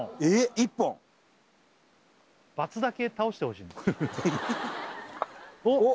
１本罰だけ倒してほしいおっ